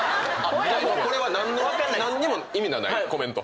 これは何にも意味のないコメント？